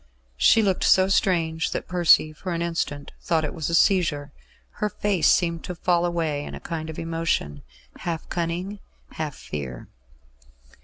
She looked so strange that Percy for an instant thought it was a seizure. Her face seemed to fall away in a kind of emotion, half cunning, half fear.